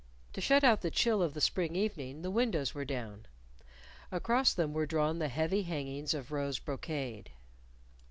To shut out the chill of the spring evening the windows were down. Across them were drawn the heavy hangings of rose brocade.